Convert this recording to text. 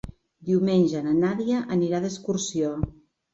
Diumenge na Nàdia anirà d'excursió.